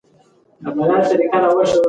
نسوار د خولې سرطان پیدا کوي.